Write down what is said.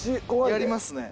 やりますね。